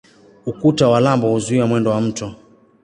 Ukuta wa lambo huzuia mwendo wa mto.